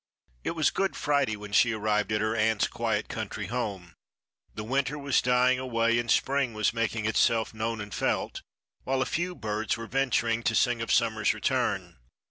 It was Good Friday when she arrived at her aunt's quiet country home. The winter was dying away and spring was making itself known and felt, while a few birds were venturing to sing of summer's return.